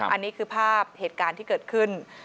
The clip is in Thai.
อันนี้คือภาพเหตุการณ์ที่เกิดขึ้น